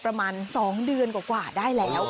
ประมาณ๒เดือนกว่าได้แล้ว